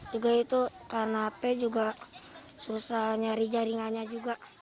juga itu karena p juga susah nyari jaringannya juga